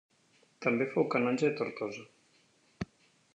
També fou canonge de Tortosa.